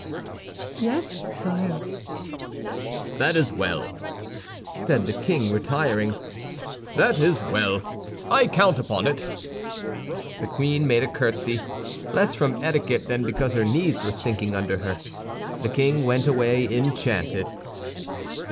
"Yes, sire." "That is well," said the king, retiring, "that is well; I count upon it." The queen made a curtsy, less from etiquette than because her knees were sinking under her. The king went away enchanted.